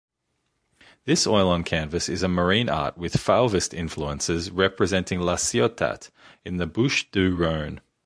This oil on canvas is a marine art with Fauvist influences representing La Ciotat, in the Bouches-du-Rhône.